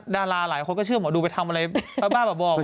ดาราหลายคนก็เชื่อหมอดูไปทำอะไรสบายประบอบกัน